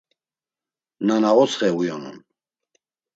Nana ostxe uyonun.